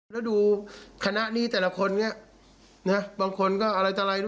แล้วดูคณะนี้แต่ละคนเนี่ยเนี่ยบางคนก็อะไรตลาดอะไร